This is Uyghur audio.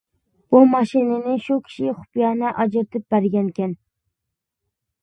بۇ ماشىنىنى شۇ كىشى خۇپىيانە ئاجرىتىپ بەرگەنىكەن.